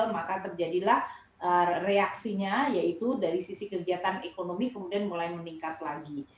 maka terjadilah reaksinya yaitu dari sisi kegiatan ekonomi kemudian mulai meningkat lagi